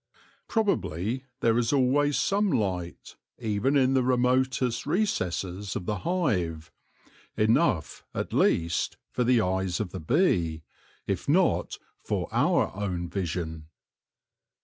Probably there is always some light, even in the remotest recesses of the hive — enough, at least, for the eyes of the bee, if not for our own vision.